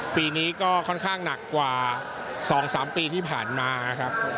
ปีนี้ก็ค่อนข้างหนักกว่า๒๓ปีที่ผ่านมาครับ